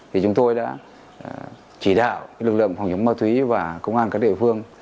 thì chúng tôi đã chỉ đạo lực lượng phòng chống ma túy và công an các địa phương